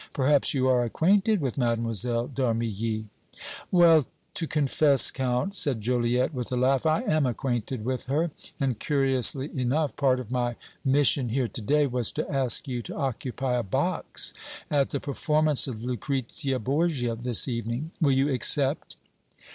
"Perhaps you are acquainted with Mlle. d' Armilly." "Well, to confess, Count," said Joliette, with a laugh, "I am acquainted with her, and, curiously enough, part of my mission here to day was to ask you to occupy a box at the performance of 'Lucrezia Borgia' this evening. Will you accept?"